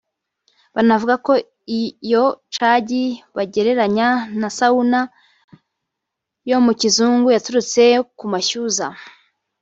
Banavuga ko iyo cagi bagereranya na Sawuna yo mu kizungu yaturutse ku mazi y’amashyuza